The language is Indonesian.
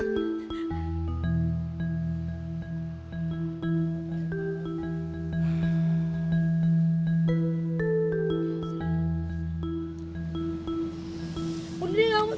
tunggu fungsinya ga terlalu gampang